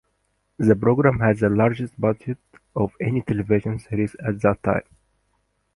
The program had the largest budget of any television series at that time.